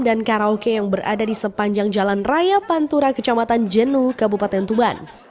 dan karaoke yang berada di sepanjang jalan raya pantura kecamatan jenuh kabupaten tuban